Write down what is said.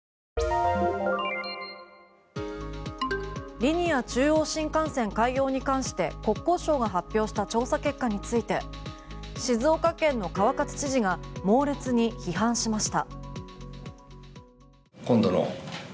リニア中央新幹線開業に関して国交省が発表した調査結果について静岡県の川勝知事が猛烈に批判しました。